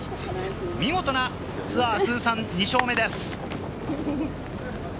見事なツアー通算２勝目です。